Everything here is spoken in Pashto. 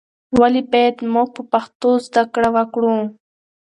ولې باید موږ په پښتو زده کړه وکړو؟